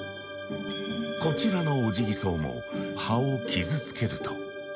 こちらのオジギソウも葉を傷つけると。